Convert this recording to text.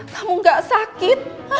kamu gak sakit